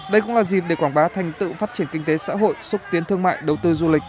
đây cũng là dịp để quảng bá thành tựu phát triển kinh tế xã hội xúc tiến thương mại đầu tư du lịch